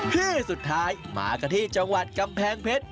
ที่สุดท้ายมากันที่จังหวัดกำแพงเพชร